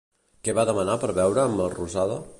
Què va demanar per beure en Melrosada?